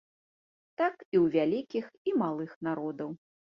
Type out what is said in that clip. Так і ў вялікіх і малых народаў.